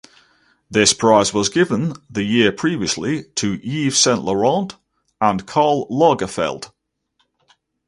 This prize was given the year previously to Yves Saint Laurent and Karl Lagerfeld.